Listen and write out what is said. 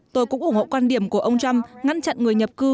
tôi cũng ủng hộ quan điểm của ông trump ngăn chặn người nhập cư